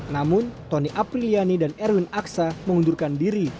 namun tony apriliani dan erwin aksa mengundurkan diri